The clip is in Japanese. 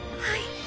はい。